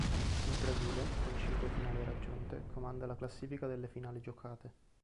Il Brasile, con cinque finali raggiunte, comanda la classifica delle finali giocate.